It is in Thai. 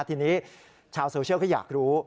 ทีนี้ชาวโซเชียลก็อยากรู้